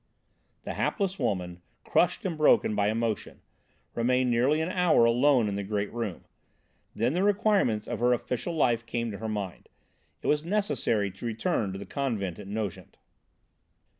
The hapless woman, crushed and broken by emotion, remained nearly an hour alone in the great room. Then the requirements of her official life came to her mind. It was necessary to return to the convent at Nogent.